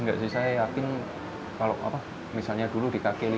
enggak sih saya yakin kalau misalnya dulu di kk lima